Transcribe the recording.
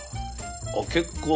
あっ結構。